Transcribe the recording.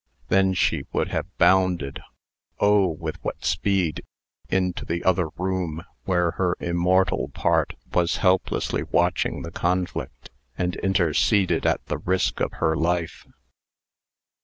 Then she would have bounded oh! with what speed into the other room, where her immortal part was helplessly watching the conflict, and interceded at the risk of her life.